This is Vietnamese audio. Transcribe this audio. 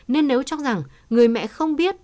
nên nếu chắc rằng người mẹ không biết